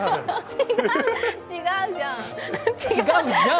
違うじゃん。